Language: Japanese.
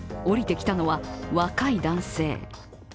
降りてきたのは若い男性。